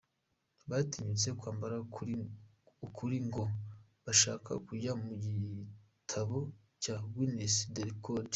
Batinyutse kwambara ukuri, ngo bashaka kujya mu gitabo cya Guiness de Records.